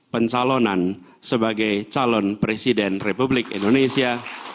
pencalonan sebagai calon presiden republik indonesia